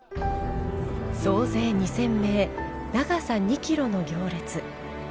総勢２０００名長さ２ｋｍの行列。